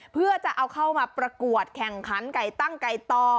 เพื่อจะเอาเข้ามาประกวดแข่งขันไก่ตั้งไก่ต่อ